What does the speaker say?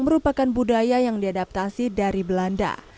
merupakan budaya yang diadaptasi dari belanda